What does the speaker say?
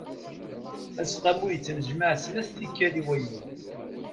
Aseqqamu yettnejmaε-d snat tikal i wayyur.